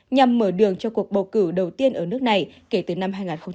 nhằm mở đường cho cuộc bầu cử đầu tiên ở nước này kể từ năm hai nghìn một mươi